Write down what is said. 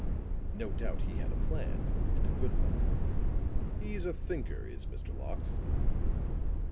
No doubt he had a plan, and a good one. He's a thinker, is Mr. Locke."